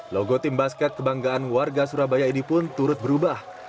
logo tim basket kebanggaan warga surabaya ini pun turut berubah